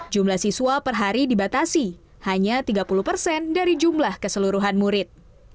jumlah siswa per hari dibatasi hanya tiga puluh persen dari jumlah keseluruhan murid